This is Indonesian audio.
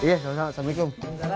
iya sama sama assalamualaikum